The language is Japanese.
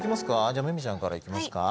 じゃあ芽実ちゃんから行きますか？